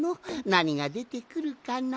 なにがでてくるかな？